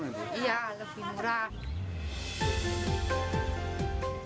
iya lebih murah